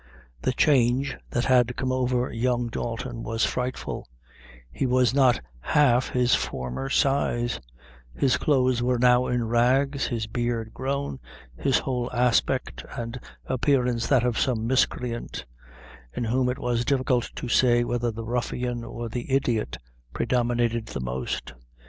The change that had come over young Dalton was frightful; he was not half his former size; his clothes were now in rags, his beard grown, his whole aspect and appearance that of some miscreant, in whom it was difficult to say whether the ruffian or the idiot predominated the most.